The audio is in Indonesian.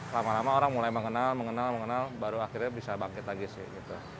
lama lama orang mulai mengenal mengenal mengenal baru akhirnya bisa bangkit lagi sih gitu